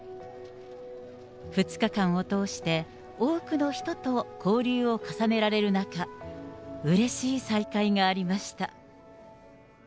２日間を通して、多くの人と交流を重ねられる中、うれしい再会がありました。